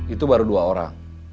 itu baru dua orang